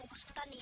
nggak s sekali